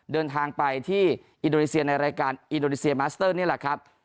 เดินทางไปที่อินโดนีเซียในรายการอินโดนีเซียมาสเตอร์นี่แหละครับ